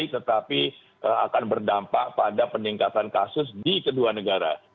tetapi akan berdampak pada peningkatan kasus di kedua negara